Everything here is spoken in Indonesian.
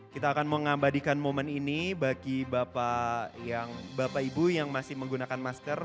kita akan mengabadikan momen ini bagi bapak ibu yang masih menggunakan masker